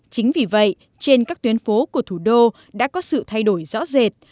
chính vì vậy trên các tuyến phố của thủ đô đã có sự thay đổi rõ rệt